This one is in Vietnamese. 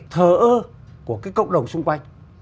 thờ ơ của cái cộng đồng xung quanh